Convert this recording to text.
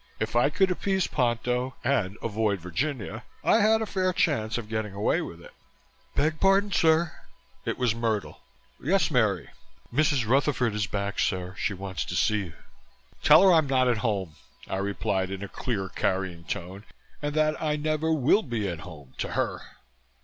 If I could appease Ponto and avoid Virginia, I had a fair chance of getting away with it. "Beg pardon, sir!" It was Myrtle. "Yes, Mary?" "Mrs. Rutherford is back, sir. She wants to see you." "Tell her I am not at home," I replied in a clear carrying tone. "And that I never will be at home to her."